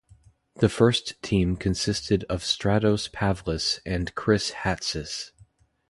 The first team consisted of Stratos Pavlis and Chris Hatzis.